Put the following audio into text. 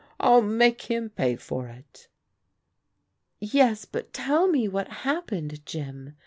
I'll make him pay for it !"" Yes, but tell me what happened, Jim.